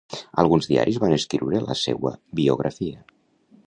Alguns diaris van escriure la seua biografia.